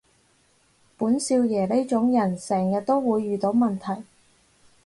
本少爺呢種人成日都會遇到問題